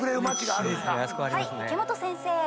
はい池本先生。